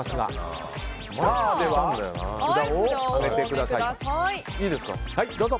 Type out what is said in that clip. では、札を上げてください。